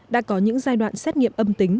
đã có những giai đoạn xét nghiệm âm tính